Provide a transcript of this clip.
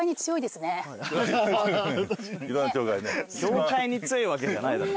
・協会に強いわけじゃないだろ。